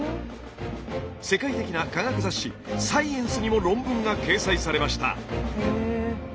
世界的な科学雑誌「Ｓｃｉｅｎｃｅ」にも論文が掲載されました。